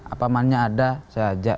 apa mannya ada saja